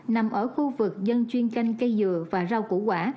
nằm ở khu vực dân chuyên canh cây dừa và rau củ quả